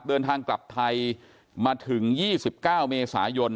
เดินทางกลับไทยมาถึง๒๙เมษายน